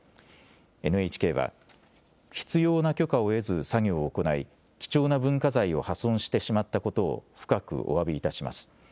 ＮＨＫは、必要な許可を得ず作業を行い貴重な文化財を破損してしまったことを深くおわびいたします。